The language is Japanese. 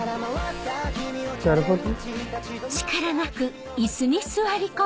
なるほど。